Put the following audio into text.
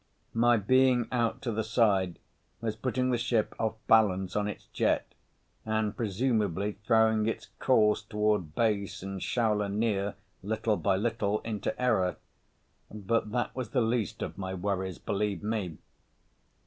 My being out to the side was putting the ship off balance on its jet and presumably throwing its course toward base and Shaula near little by little into error. But that was the least of my worries, believe me.